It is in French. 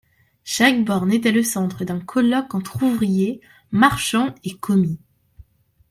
Chaque borne était le centre d'un colloque entre ouvriers, marchands et commis.